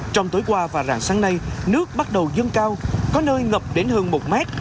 trong tối qua và ràng sáng nay nước bắt đầu dâng cao có nơi ngập đến hơn một m